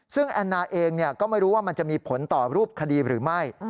ซึ่งแอนนาเองก็ไม่รู้ว่ามันจะมีผลต่อรูปคดีหรือไม่